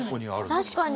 確かに！